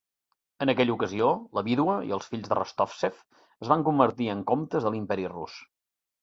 En aquella ocasió, la vídua i els fills de Rostovtsev es van convertir en comtes de l'Imperi rus.